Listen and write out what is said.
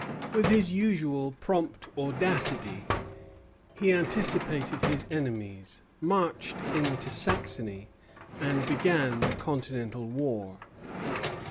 With his usual prompt audacity he anticipated his enemies, marched into Saxony, and began the Continental war.